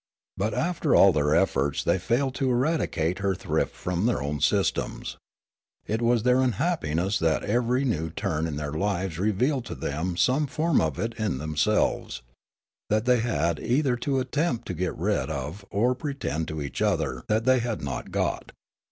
But after all their efforts they failed to eradicate her thrift from their own systems. It was their unhappiness that every new turn in their lives revealed to them some form of it in themselves, that they had either to attempt to get rid of or pretend to each other that they had not got.